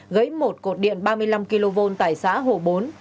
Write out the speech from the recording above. gấy một cột điện ba mươi năm kv tại xã hồ bốn